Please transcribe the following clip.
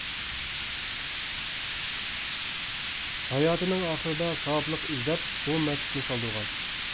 ھاياتىنىڭ ئاخىرىدا ساۋابلىق ئىزدەپ، بۇ مەسچىتنى سالدۇرغان.